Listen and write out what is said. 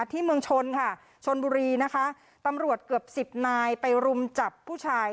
ที่เมืองชนค่ะชนบุรีนะคะตำรวจเกือบสิบนายไปรุมจับผู้ชาย